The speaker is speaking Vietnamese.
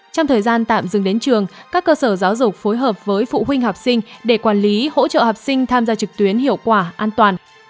trong thời gian tạm dừng đến trường các cơ sở giáo dục phối hợp với phụ huynh học sinh để quản lý hỗ trợ học sinh tham gia trực tuyến hiệu quả an toàn